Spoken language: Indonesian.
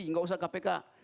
tidak usah kpk